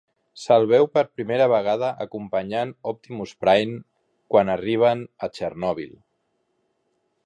S'el veu per primera vegada acompanyant Optimus Prime quan arriben a Chernobyl.